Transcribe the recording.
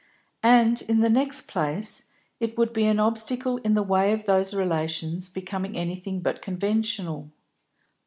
And, in the next place, it would be an obstacle in the way of those relations becoming anything but conventional.